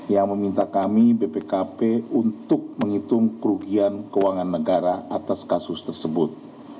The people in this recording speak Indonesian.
yang meminta kami bpkp untuk menghitung kerugian keuangan negara atas kasus tersebut